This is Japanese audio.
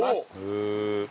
へえ！